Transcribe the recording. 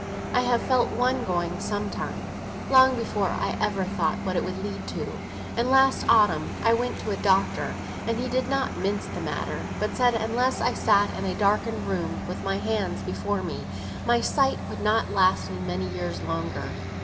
I have felt one going some time, long before I ever thought what it would lead to; and last autumn I went to a doctor; and he did not mince the matter, but said unless I sat in a darkened room, with my hands before me, my sight would not last me many years longer.